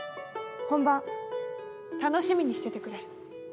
本番楽しみにしててくれ。